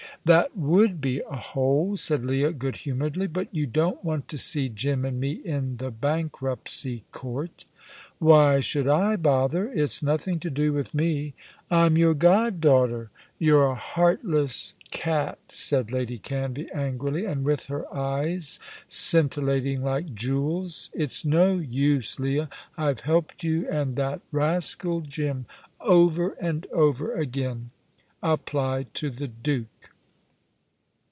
"That would be a hole," said Leah, good humouredly; "but you don't want to see Jim and me in the bankruptcy court." "Why should I bother? It's nothing to do with me!" "I'm your god daughter." "You're a heartless cat," said Lady Canvey, angrily, and with her eyes scintillating like jewels. "It's no use, Leah. I've helped you and that rascal Jim over and over again. Apply to the Duke."